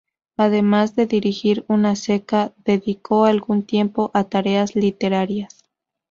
Además de dirigir una ceca, dedicó algún tiempo a tareas literarias.